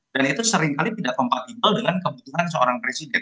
dan itu seringkali tidak compatible dengan kebutuhan seorang presiden